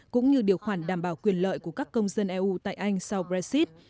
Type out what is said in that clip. cũng như điều khoản đảm bảo quyền lợi của các công dân eu tại anh sau brexit